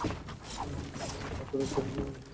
তারপর এক সাথে আহওয়াজে যান।